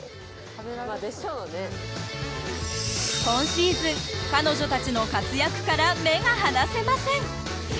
今シーズン彼女たちの活躍から目が離せません。